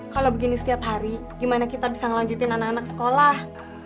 kalau begini setiap hari gimana kita bisa ngelanjutin anak anak sekolah